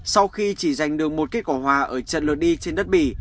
sau khi chỉ giành được một kết quả hòa ở trận lượt đi trên đất bỉ